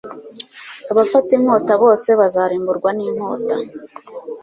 abafata inkota bose bazarimburwa n'inkota